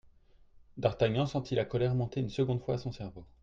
D'Artagnan sentit la colère monter une seconde fois à son cerveau.